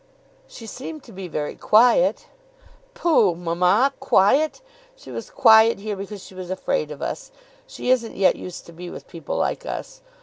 "She seemed to be very quiet." "Pooh, mamma! Quiet! She was quiet here because she was afraid of us. She isn't yet used to be with people like us.